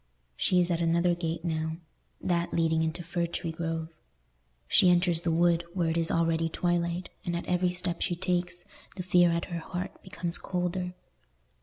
She is at another gate now—that leading into Fir tree Grove. She enters the wood, where it is already twilight, and at every step she takes, the fear at her heart becomes colder.